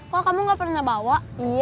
kok kamu gak pernah bawa